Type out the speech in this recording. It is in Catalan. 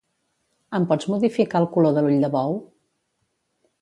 Em pots modificar el color de l'ull de bou?